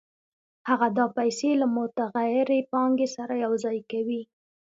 هغه دا پیسې له متغیرې پانګې سره یوځای کوي